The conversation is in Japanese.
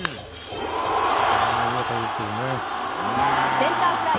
センターフライ。